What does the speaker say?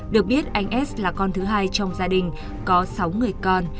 được biết anh s là con thứ hai trong gia đình có sáu người con